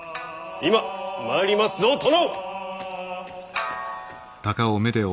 今参りますぞ殿！